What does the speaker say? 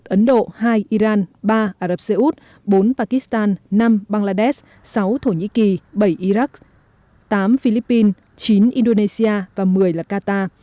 ấn độ hai iran ba ả rập xê út bốn pakistan năm bangladesh sáu thổ nhĩ kỳ bảy iraq tám philippines chín indonesia và một mươi là qatar